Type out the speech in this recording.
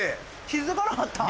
気付かなかった。